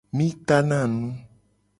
Mi tana nu.